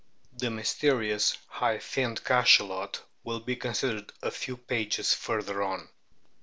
The mysterious " High nnned Cachalot" will be considered a few pages further on.